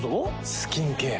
スキンケア。